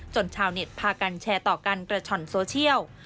ชาวเน็ตพากันแชร์ต่อกันกระช่อนโซเชียล